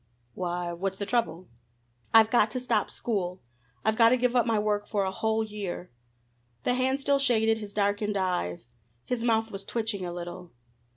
"Why, what's the trouble?" "I've got to stop school! I've got to give up my work for a whole year!" The hand still shaded his darkened eyes. His mouth was twitching a little.